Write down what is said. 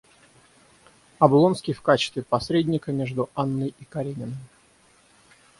Облонский в качестве посредника между Анной и Карениным.